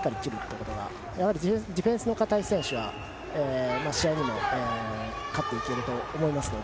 ディフェンスの堅い選手は試合にも勝っていけると思います。